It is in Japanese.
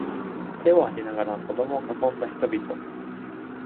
手を上げながら、子どもを囲んだ人々。